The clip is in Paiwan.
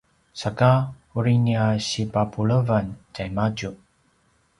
saka uri nia sipapulevan tjaimadju